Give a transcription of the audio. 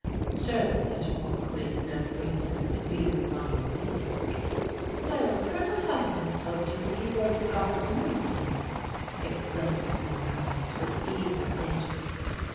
Surely such a book makes no pretence of being scientific." "So Col. Hellar has told you that he wrote 'God's Anointed'?" exclaimed Marguerite with eager interest.